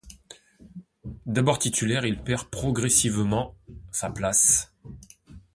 D'abord titulaire, il perd progressivement sa place.